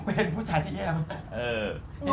ผมเห็นผู้ชายที่แย่ไหม